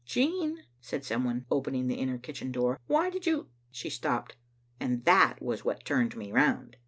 "Jean," said some one, opening the inner kitchen door, "why did you ?" She stopped, and that was what turned me round.